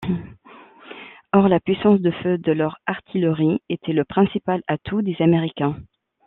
Or la puissance de feu de leur artillerie était le principal atout des Américains.